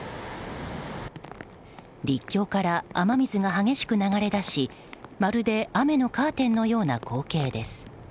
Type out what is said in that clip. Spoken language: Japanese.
陸橋から雨水が激しく流れ出しまるで雨のカーテンのような光景です。